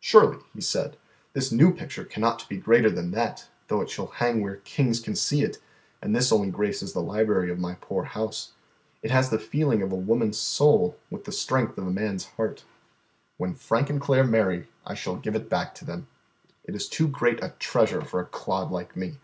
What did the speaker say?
"Surely," he said, "this new picture cannot be greater than that, though it shall hang where kings can see it and this only graces the library of my poor house. It has the feeling of a woman's soul with the strength of a man's heart. When Frank and Claire marry, I shall give it back to them. It is too great a treasure for a clod like me.